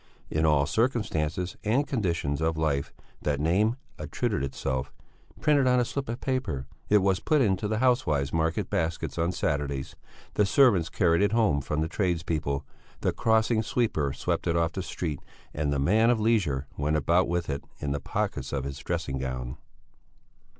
In all circumstances and conditions of life that name obtruded itself, printed on a slip of paper; it was put into the housewives' market baskets on Saturdays; the servants carried it home from the tradespeople; the crossing sweeper swept it off the street, and the man of leisure went about with it in the pockets of his dressing gown.